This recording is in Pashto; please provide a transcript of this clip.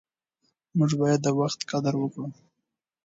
موږ باید د وخت قدر وکړو.